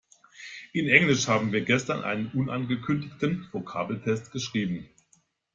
In Englisch haben wir gestern einen unangekündigten Vokabeltest geschrieben.